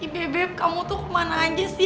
bebek kamu tuh kemana aja sih